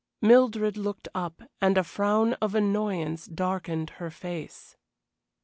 Mildred looked up, and a frown of annoyance darkened her face.